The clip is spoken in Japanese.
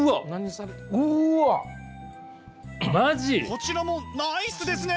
こちらもナイスですね！